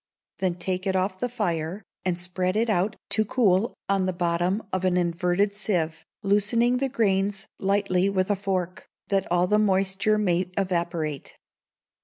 Then take it off the fire, and spread it out to cool on the bottom of an inverted sieve, loosening the grains lightly with a fork, that all the moisture may evaporate.